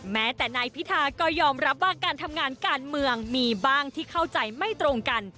แม้แต่นายพิธาก็ยอมรับว่าการทำงานการเมืองมีบ้างที่เข้าใจไม่ตรงกัน